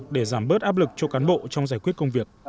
để giảm bớt áp lực cho cán bộ trong giải quyết công việc